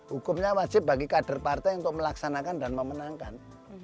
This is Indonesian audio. hukumnya wajib bagi kader partai untuk melaksanakan dan memenangkan